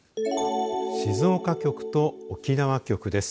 静岡局と沖縄局です。